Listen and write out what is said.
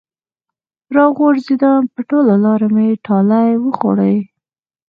راغورځېدم په ټوله لاره مې ټالۍ وخوړې